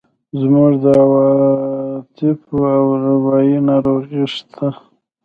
زموږ د عواطفو او اروایي ناروغۍ شته.